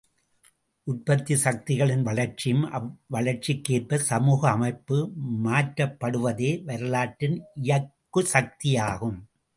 உற்பத்திச் சக்திகளின் வளர்ச்சியும், அவ்வளர்ச்சிக்கேற்ப, சமூக அமைப்பு மாற்றப்படுவதுவே வரலாற்றின் இயக்கு சக்தியாகும்.